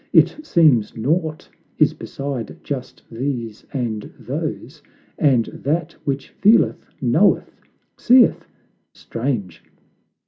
It seems naught is beside just these and those And that which feeleth, knoweth, seeth; strange!